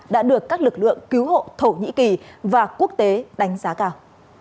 đã được các lực lượng cứu hộ thổ nhĩ kỳ và quốc tế đánh giá cao